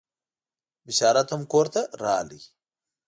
بشارت هم کور ته راغی.